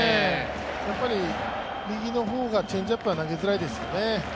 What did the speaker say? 右の方がチェンジアップは投げづらいですよね。